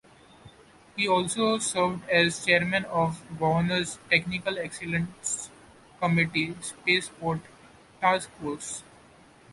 He also served as Chairman of the Governor's Technical Excellence Committee Spaceport Task Force.